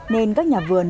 nên các nhà vườn